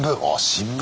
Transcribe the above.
新聞